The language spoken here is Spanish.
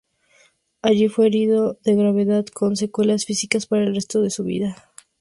Allí fue herido de gravedad, con secuelas físicas para el resto de su vida.